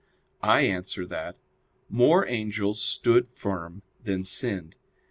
I answer that, More angels stood firm than sinned.